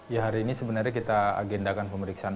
ya hari ini sebenarnya kita agendakan pemeriksaan